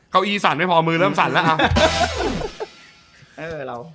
ก้าวอีสันไม่พอมือเริ่มสั่นแล้ว